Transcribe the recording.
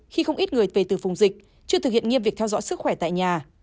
khi không ít người về từ vùng dịch chưa thực hiện nghiêm việc theo dõi sức khỏe tại nhà